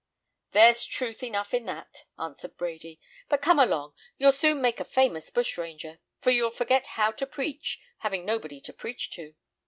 "There's truth enough in that," answered Brady; "but come along; you'll soon make a famous bushranger, for you'll forget how to preach, having nobody to preach to."